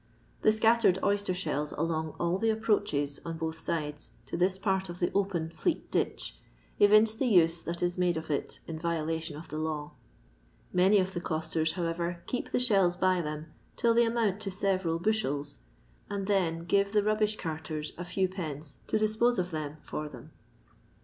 The scattered oyster shells along all the approaches, on both sides, to this part of the open Fleet ditch, evince the um that is made of it in violation of the law. Many of the costers, however, keep the shells by them till they amount to several bushels, and then give the rubbish carters a Ibw pence to dispose of them for them.